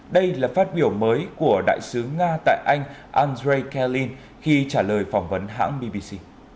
đây là phát biểu mới của đại sứ nga tại anh andrei kalin khi trả lời phỏng vấn hãng bbc